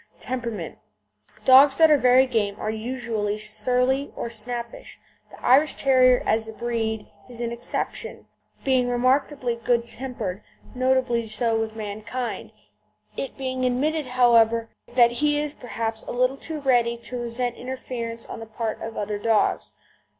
TEMPERAMENT Dogs that are very game are usually surly or snappish. The Irish Terrier as a breed is an exception, being remarkably good tempered, notably so with mankind, it being admitted, however, that he is perhaps a little too ready to resent interference on the part of other dogs.